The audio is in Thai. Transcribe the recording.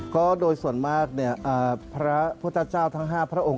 ก็โดยส่วนมากพระพุทธเจ้าทั้ง๕พระองค์